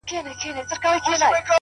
خالقه د آسمان په کناره کي سره ناست وو”